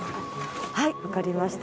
はいわかりました。